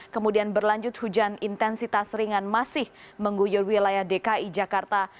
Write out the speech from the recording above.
kemudian berlanjut hujan intensitas ringan masih mengguyur wilayah dki jakarta